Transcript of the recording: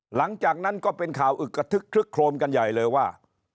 หลังจากนั้นก็เป็นข่าวอึกกระทึกคลึกโครมกันใหญ่เลยว่า